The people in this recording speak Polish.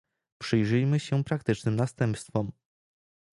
Przyjrzyjmy się praktycznym następstwom